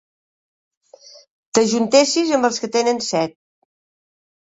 T'ajuntessis amb els que tenen set.